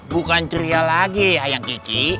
bukan ceria lagi ya yang kiki